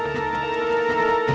tidak ada apa apa